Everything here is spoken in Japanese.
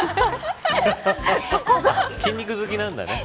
筋肉好きなんだよね。